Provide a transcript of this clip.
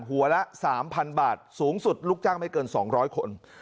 หัวละ๓๐๐๐บาทสูงสุดลูกจ้างไม่เกิน๒๐๐คน